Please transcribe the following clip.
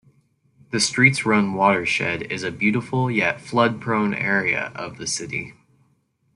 The Streets Run watershed is a beautiful yet flood-prone area of the city.